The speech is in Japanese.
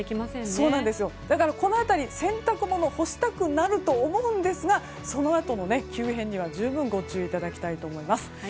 だから、この辺りで洗濯物を干したくなると思いますがそのあとの急変には十分ご注意いただきたいと思います。